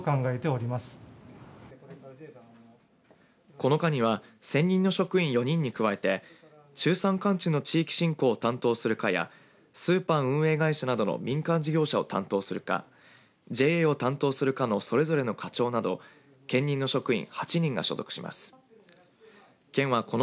この課には専任の職員４人に加えて中山間地の地域振興を担当する課やスーパー運営会社などの民間事業者を担当する課ＪＡを担当する課のそれぞれの課長など兼任の職員８人が所属します。